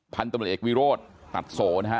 พันธุ์ตำรวจเอกวิโรธตัดโสนะฮะ